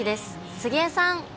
杉江さん。